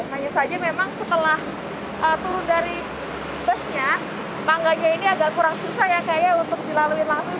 hanya saja memang setelah turun dari busnya tangganya ini agak kurang susah ya kayaknya untuk dilalui langsung